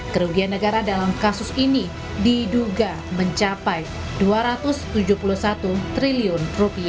kerugian negara dalam kasus ini diduga mencapai rp dua ratus tujuh puluh satu triliun